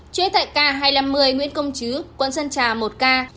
chuỗi tại ca hai trăm năm mươi nguyễn công chứ quận sân trà một ca